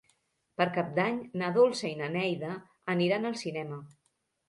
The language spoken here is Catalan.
Per Cap d'Any na Dolça i na Neida aniran al cinema.